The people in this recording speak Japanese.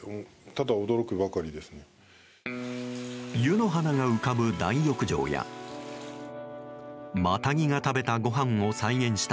湯の花が浮かぶ大浴場やマタギが食べたごはんを再現した